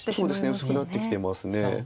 薄くなってきてます。